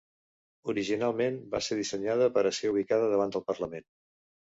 Originalment va ser dissenyada per a ser ubicada davant del Parlament.